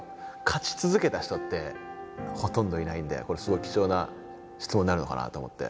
勝ち続けた人ってほとんどいないんでこれすごい貴重な質問になるのかなと思って。